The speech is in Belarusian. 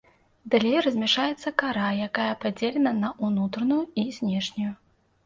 Далей размяшчаецца кара, якая падзелена на ўнутраную і знешнюю.